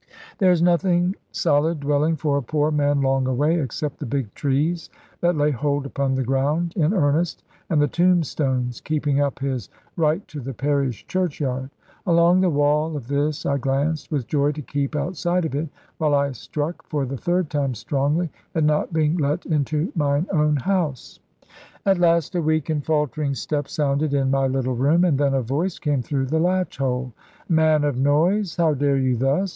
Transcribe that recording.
There is nothing solid dwelling for a poor man long away, except the big trees that lay hold upon the ground in earnest, and the tomb stones keeping up his right to the parish churchyard. Along the wall of this I glanced, with joy to keep outside of it; while I struck, for the third time strongly, at not being let into mine own house. At last a weak and faltering step sounded in my little room, and then a voice came through the latch hole, "Man of noise, how dare you thus?